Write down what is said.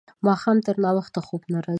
ماښام تر ناوخته خوب نه راځي.